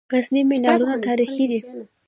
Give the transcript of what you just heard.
د غزني منارونه تاریخي دي